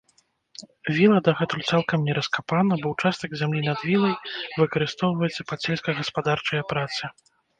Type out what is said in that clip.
Віла дагэтуль цалкам не раскапана, бо ўчастак зямлі над вілай выкарыстоўваецца пад сельска-гаспадарчыя працы.